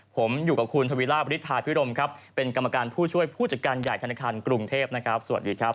ผมอยู่กับคุณทวีราบริษฐาพิรมครับเป็นกรรมการผู้ช่วยผู้จัดการใหญ่ธนาคารกรุงเทพนะครับสวัสดีครับ